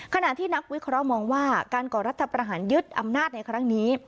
ขณะที่นักวิเคราะห์มองว่าการก่อรัฐประหารยึดอำนาจในครั้งนี้